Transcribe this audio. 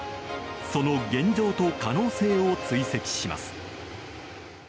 その現状と可能性を追跡します。